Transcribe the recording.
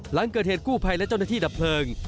หลังเกิดเหตุกู้ภัยและเจ้าหน้าที่ดับเพลิง